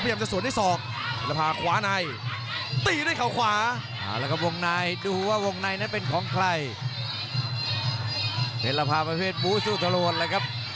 โดดและครึ่งตลอดครับ